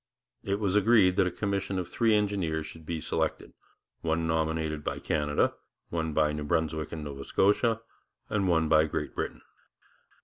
It was agreed that a commission of three engineers should be selected, one nominated by Canada, one by New Brunswick and Nova Scotia, and one by Great Britain.